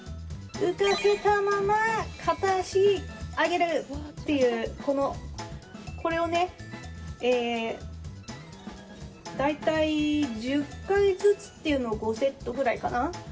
浮かせたまま片足上げるっていうこれを大体１０回ずつっていうのを５セットくらいかな。